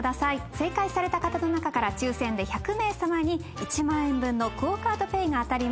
正解された方の中から抽選で１００名さまに１万円分のＱＵＯカードＰａｙが当たります。